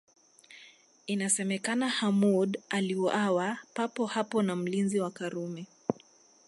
Inasemekana Hamoud aliuawa papo hapo na mlinzi wa Karume